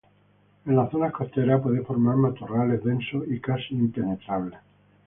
En las zonas costeras, puede formar matorrales densos y casi impenetrables.